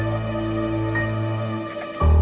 aku sudah berhenti